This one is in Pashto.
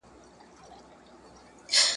په انارګل کي چي د سرومیو پیالې وي وني ..